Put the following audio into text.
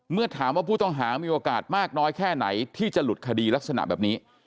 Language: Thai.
เมื่อถามว่าผู้ต้องหามีโอกาสมากน้อยแค่ไหนที่จะหลุดคดีลักษณะแบบนี้